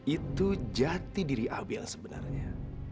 itu jati diri abi yang sebenarnya